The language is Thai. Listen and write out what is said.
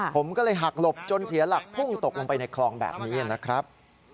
ผมก็เลยหักหลบจนเสียหลักพุ่งตกลงไปในคลองแบบนี้นะครับ